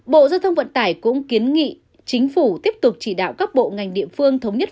bộ giao thông vận tải cũng kiến nghị chính phủ tiếp tục chỉ đạo các bộ ngành địa phương thống nhất